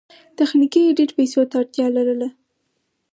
تخنیکي ایډېټ پیسو ته اړتیا لرله.